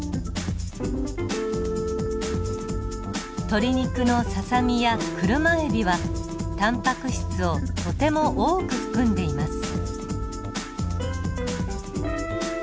鶏肉のささみやクルマエビはタンパク質をとても多く含んでいます。